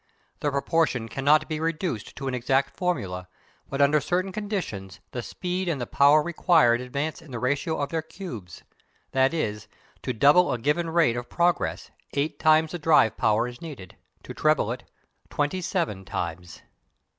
The proportion cannot be reduced to an exact formula, but under certain conditions the speed and the power required advance in the ratio of their cubes; that is, to double a given rate of progress eight times the driving power is needed; to treble it, twenty seven times.